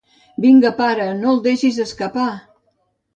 Vinga, pare, no el deixis escapar!